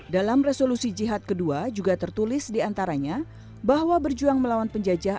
dalam resolusi jihad kedua juga tertulis diantaranya bahwa berjuang melawan penjajah